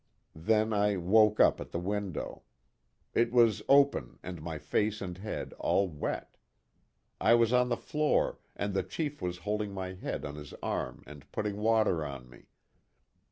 Then, I woke up at the window. It was open and my face and head all wet. I was on the floor and the chief was holding my head on his arm and putting water on me.